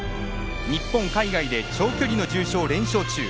日本、海外で長距離の重賞連勝中。